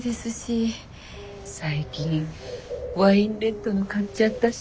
最近ワインレッドの買っちゃったし。